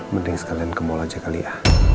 mending sekalian kemul aja kali ya